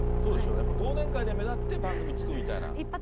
やっぱり忘年会で目立って、番組つくみたいな。